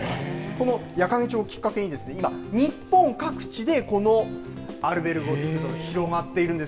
この矢掛町をきっかけに、今、日本各地で、このアルベルゴ・ディフーゾ、広まっているんです。